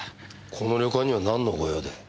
この旅館にはなんのご用で？